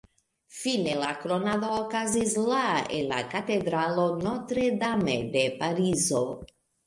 Fine, la kronado okazis la en la katedralo Notre-Dame de Parizo.